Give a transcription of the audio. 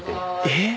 えっ？